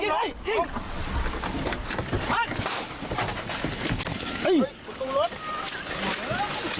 ไปแล้วไปแล้ว